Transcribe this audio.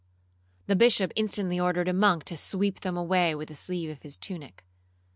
The Bishop instantly ordered a monk to sweep them away with the sleeve of his tunic.